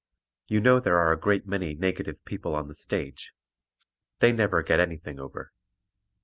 You know there are a great many negative people on the stage; they never get anything over.